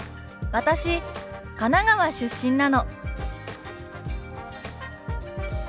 「私神奈川出身なの」。